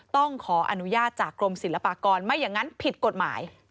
ต้องขออนุญาตจากกรมศิลปากรไม่อย่างนั้นผิดกฎหมาย